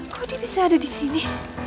kok dia bisa ada disini